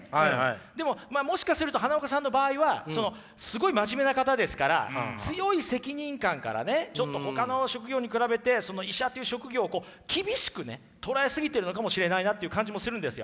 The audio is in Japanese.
でももしかすると花岡さんの場合はそのすごい真面目な方ですから強い責任感からねちょっとほかの職業に比べてその医者という職業をこう厳しくね捉え過ぎてるのかもしれないなという感じもするんですよ。